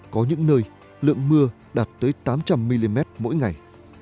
có những nơi lượng mưa đạt tới tám trăm linh mm mỗi ngày